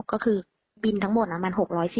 ก็คือบินทั้งหมดมัน๖๔๐